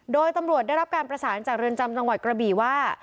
โดยตำรวจได้รับการประสานจากเรือนจำจังหวัดกระบี่ว่า